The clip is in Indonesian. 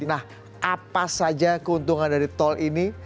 nah apa saja keuntungan dari tol ini